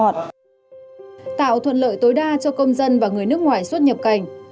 tạo thuận lợi tối đa cho công dân và người nước ngoài xuất nhập cảnh